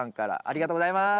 ありがとうございます。